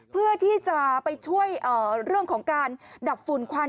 เพื่อที่จะไปช่วยเรื่องของการดับฝุ่นควัน